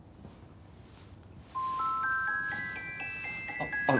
あっあの。